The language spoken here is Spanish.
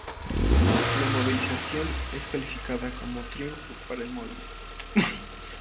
La movilización es calificada como un triunfo para el movimiento.